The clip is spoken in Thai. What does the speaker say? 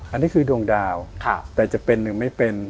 อันนี้คือดวงดาวแต่จะเป็นหรือไม่เป็น